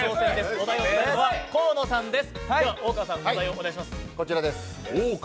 お題を読むのは河野さんです。